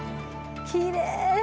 きれい！